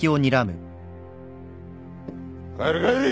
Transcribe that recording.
帰れ帰れ！